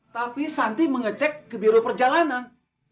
tapi santi mengecek ke biro perjalanan